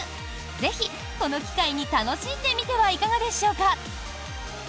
ぜひこの機会に楽しんでみてはいかがでしょうか？